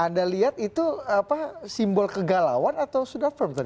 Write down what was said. anda lihat itu apa simbol kegalauan atau apa